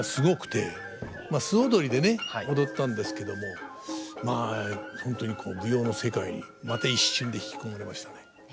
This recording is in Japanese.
素踊りでね踊ったんですけどもまあ本当に舞踊の世界にまた一瞬で引き込まれましたね。